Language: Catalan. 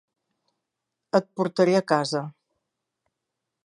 Et portaré a casa.